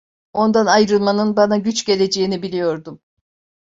Ondan ayrılmanın bana güç geleceğini biliyordum.